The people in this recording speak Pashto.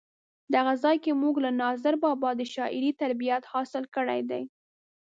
دغه ځای کې مونږ له ناظر بابا د شاعرۍ تربیت حاصل کړی دی.